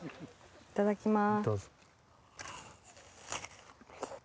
いただきます。